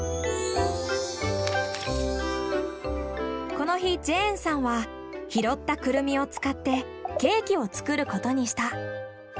この日ジェーンさんは拾ったクルミを使ってケーキを作ることにした。